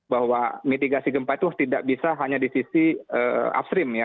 bahwa mitigasi gempa itu tidak bisa hanya di sisi upstream ya